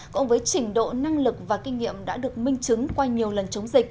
cùng với trình độ năng lực và kinh nghiệm đã được minh chứng qua nhiều lần chống dịch